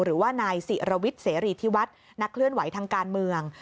หรือว่านายศิรวิทย์เสรีธิวัฒน์นักเคลื่อนไหวทางการเมือง